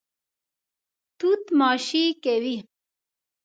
توت ماشې کوي.